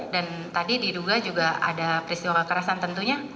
dan tadi diduga juga ada peristiwa kekerasan tentunya